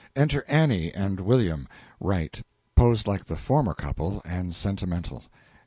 Enter ANNIE and WILL, R., posed like the former couple and sentimental.